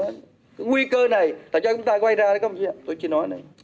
hà nội đứng đó